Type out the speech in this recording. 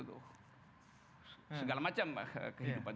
segala macam kehidupan